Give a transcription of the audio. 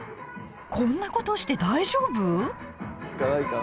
こんなことして大丈夫？